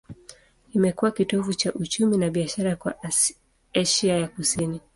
Imekuwa kitovu cha uchumi na biashara kwa Asia ya Kusini.